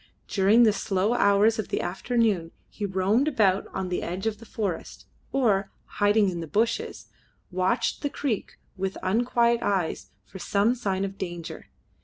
During the slow hours of the afternoon he roamed about on the edge of the forest, or, hiding in the bushes, watched the creek with unquiet eyes for some sign of danger.